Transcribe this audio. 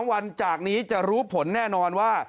วันจากนี้จะรู้ผลแน่นอนว่า